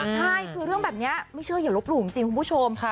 ใช่คือเรื่องแบบนี้ไม่เชื่ออย่าลบหลู่จริงคุณผู้ชม